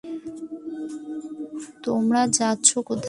তোমরা যাচ্ছ কোথায়?